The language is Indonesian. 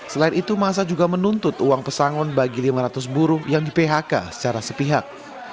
selain itu masa juga menuntut uang pesangon bagi lima ratus buruh yang di phk secara sepihak